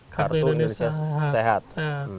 kartu indonesia sehat